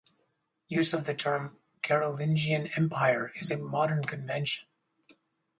Use of the term "Carolingian Empire" is a modern convention.